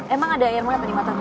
emang ada air mata di mataku